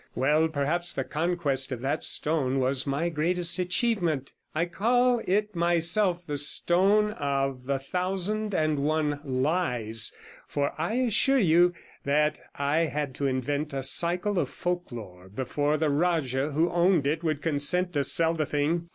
Well, perhaps the conquest of that stone was my greatest achievement. I call it myself the stone of the thousand and one 87 lies, for I assure you that I had to invent a cycle of folk lore before the Rajah who owned it would consent to sell the thing.